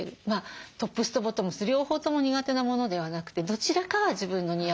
トップスとボトムス両方とも苦手なものではなくてどちらかは自分の似合うものにする。